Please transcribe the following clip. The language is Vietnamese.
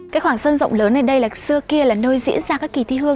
cái khoảng sân rộng lớn này đây là xưa kia là nơi diễn ra các kỳ thi hương